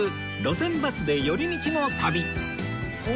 路線バスで寄り道の旅』